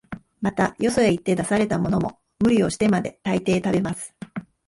また、よそへ行って出されたものも、無理をしてまで、大抵食べます